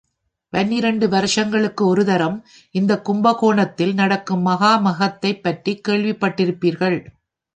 பன்னிரண்டு வருஷங்களுக்கு ஒருதரம் இந்தக் கும்பகோணத்தில் நடக்கும் மகா மகத்தைப் பற்றிக் கேள்விப்பட்டிருப்பீர்கள்.